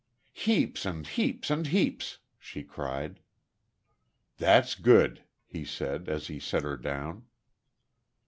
"Heaps, and heaps, and heaps!" she cried. "That's good," he said, as he set her down.